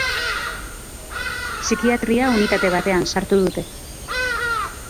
Psikiatria unitate batean sartu dute.